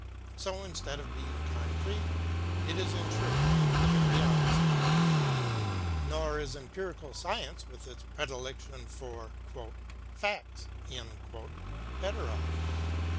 So instead of being concrete, it is, in truth, the very opposite. Nor is empirical science with its predilection for "facts" better off.